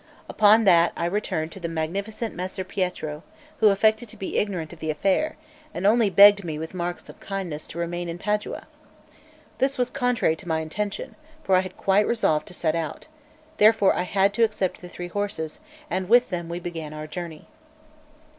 Upon that I returned to the magnificent Messer Pietro, who affected to be ignorant of the affair, and only begged me with marks of kindness to remain in Padua. This was contrary to my intention, for I had quite resolved to set out; therefore I had to accept the three horses, and with them we began our journey. Note 1.